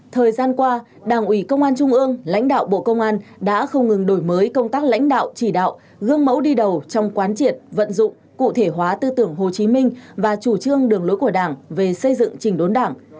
thời gian qua đảng ủy công an trung ương lãnh đạo bộ công an đã không ngừng đổi mới công tác lãnh đạo chỉ đạo gương mẫu đi đầu trong quán triệt vận dụng cụ thể hóa tư tưởng hồ chí minh và chủ trương đường lối của đảng về xây dựng trình đốn đảng